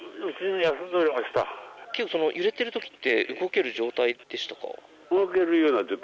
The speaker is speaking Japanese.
揺れてる時って動ける状態でしたか？